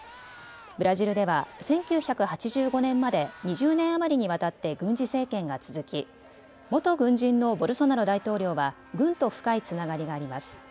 ブラジルでは１９８５年まで２０年余りにわたって軍事政権が続き、元軍人のボルソナロ大統領は軍と深いつながりがあります。